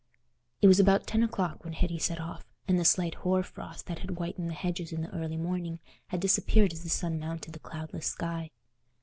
It was about ten o'clock when Hetty set off, and the slight hoar frost that had whitened the hedges in the early morning had disappeared as the sun mounted the cloudless sky.